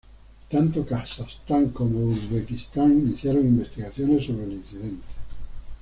Tanto Kazajstán como Uzbekistán iniciaron investigaciones sobre el incidente.